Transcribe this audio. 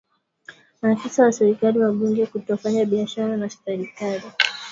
maafisa wa serikali na wabunge kutofanya biashara na serikali